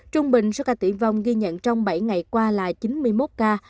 trung bình số ca tử vong ghi nhận trong bảy ngày qua là chín mươi một ca